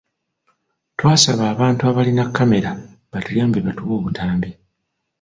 Twasaba abantu abalina kkamera batuyambe batuwe obutambi.